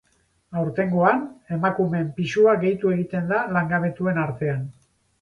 Aurtengoan, emakumeen pisua gehitu egiten da langabetuen artean.